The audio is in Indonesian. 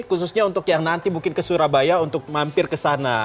khususnya untuk yang nanti mungkin ke surabaya untuk mampir ke sana